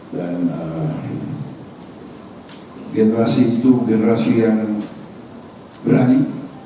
generasi itu generasi yang berani